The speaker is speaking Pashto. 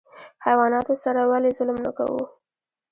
حیواناتو سره ولې ظلم نه کوو؟